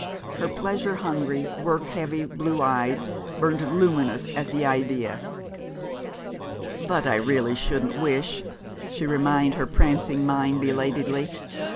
Her pleasure hungry, work heavy blue eyes burned luminous at the idea. "But I really shouldn't wish," she reminded her prancing mind belatedly.